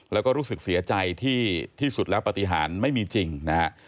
แล้วก็รู้สึกเสียใจที่สุดแล้วปฏิหารไม่มีจริงนะฮะ